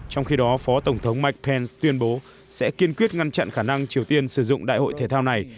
trong khi đó phó tổng thống mike pence tuyên bố sẽ kiên quyết ngăn chặn khả năng triều tiên sử dụng đại hội thể thao này